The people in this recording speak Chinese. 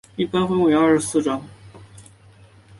一般分为二十四章。